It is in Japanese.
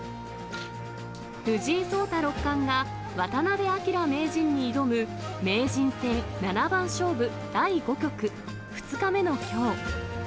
藤井聡太六冠が渡辺明名人に挑む、名人戦七番勝負第５局２日目のきょう。